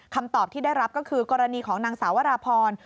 คำตอบที่ได้รับก็คือกรณีของนางสาววราพร